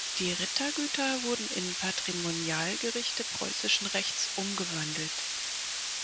Die Rittergüter wurden in Patrimonialgerichte preußischen Rechts umgewandelt.